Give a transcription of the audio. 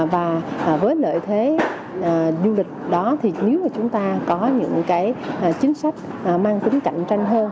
và với lợi thế du lịch đó thì nếu mà chúng ta có những cái chính sách mang tính cạnh tranh hơn